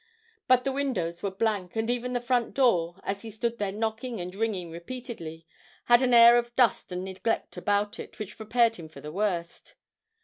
But the windows were blank, and even the front door, as he stood there knocking and ringing repeatedly, had an air of dust and neglect about it which prepared him for the worst.